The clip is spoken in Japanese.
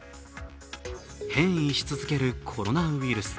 変異し続けるコロナウイルス。